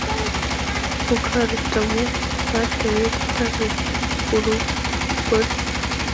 mukarutamu ntatebe gutamiriza urugore